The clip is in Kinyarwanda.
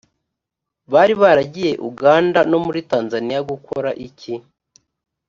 bari baragiye uganda no muri tanzaniya gukora iki